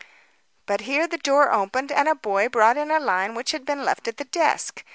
But here the door opened and a boy brought in a line which had been left at the desk.